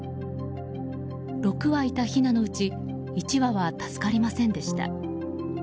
６羽いたひなのうち１羽は助かりませんでした。